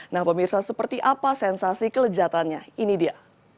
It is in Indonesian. nah pemirsa seperti apa sensasi kelezatannya ini dia